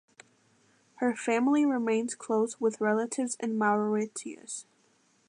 Her family remains close with relatives in Mauritius.